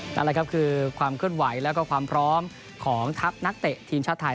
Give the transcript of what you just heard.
นั่นแหละครับคือความเคลื่อนไหวแล้วก็ความพร้อมของทัพนักเตะทีมชาติไทย